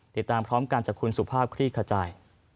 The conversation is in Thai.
ติดตามพร้อมกันจากคุณสุภาพคลี่ขจาย